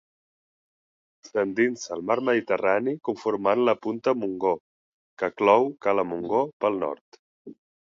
S'endinsa al mar Mediterrani conformant la punta Montgó que clou cala Montgó pel nord.